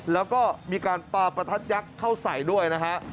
แล้วก็มีการปลาประทัดยักษ์เข้าใส่ด้วยนะฮะ